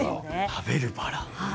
食べるバラ。